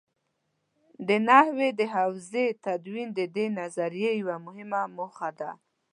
د نحوې د حوزې تدوین د دې نظریې یوه مهمه موخه ده.